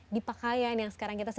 di pakaian yang sekarang kita